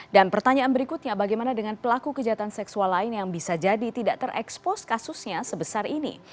dan pertanyaan berikutnya bagaimana dengan pelaku kejahatan seksual lain yang bisa jadi tidak terekspos kasusnya sebesar ini